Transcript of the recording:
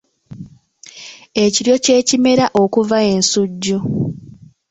Ekiryo kye kimera okuva ensujju.